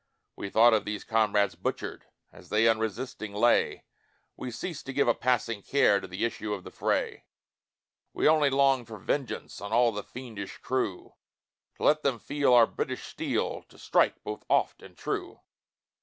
We thought of these comrades butchered As they unresisting lay; We ceased to give a passing care To the issue of the fray; We only longed for vengeance On all the fiendish crew, To let them feel our British steel, To strike both oft and true.